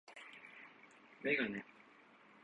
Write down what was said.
メガネ